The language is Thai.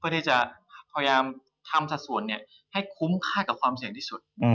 พยายามทำสัดส่วนให้คุ้มค่ากับความเสี่ยงที่สุด